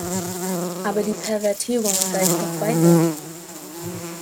Aber die Pervertierung reicht noch weiter.